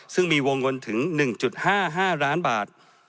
ซึ่งมีวงเงินถึง๑๕๕ล้านบาท